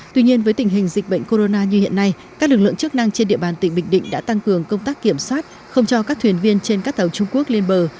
tuy nhiên với tình hình dịch bệnh corona như hiện nay các lực lượng chức năng trên địa bàn tỉnh bình định đã tăng cường công tác kiểm soát không cho các thuyền viên trên các tàu trung quốc lên bờ